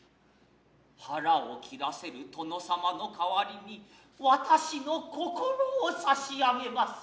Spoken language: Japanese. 腹を切らせる殿様のかはりに私の心を差上げます。